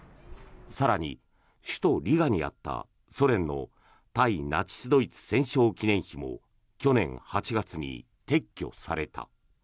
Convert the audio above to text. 更に、首都リガにあったソ連の対ナチス・ドイツ戦勝記念碑も去年８月に撤去された。